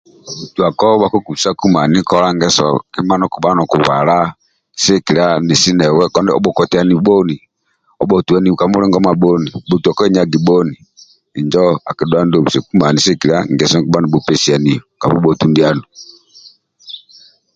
Bha bhotuako bhakukubisaku mani kowa ngeso kima ndio okubha nokubala sigikilia nesi newe obhokotiani bhoni obhotuani ka mulingo mabhoni bubhotu aenagi bhoni injo akidhua ndulu sigikilia ngeso ndio okubha nibhupesianio ka bubhotu ndianu